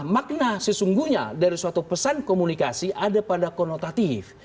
makna sesungguhnya dari suatu pesan komunikasi ada pada konotatif